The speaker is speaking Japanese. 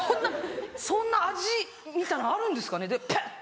そんな味みたいのあるんですかねペッ！